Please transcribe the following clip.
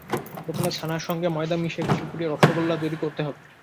প্রথমে ছানার সঙ্গে ময়দা মিশিয়ে গুটি গুটি রসগোল্লা তৈরি করতে হবে।